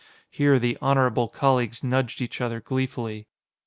(Here the "honorable colleagues" nudged each other gleefully.)